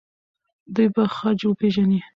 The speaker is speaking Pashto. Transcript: دوی به خج وپیژني.